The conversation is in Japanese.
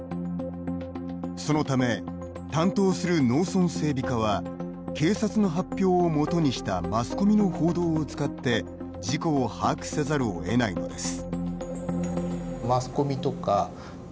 そのため、担当する農村整備課は警察の発表をもとにしたマスコミの報道を使って事故を把握せざるを得ないのです。